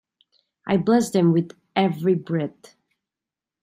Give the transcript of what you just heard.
I bless them with every breath.